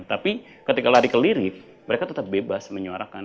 tapi ketika lari kelirip mereka tetap bebas menyuarakan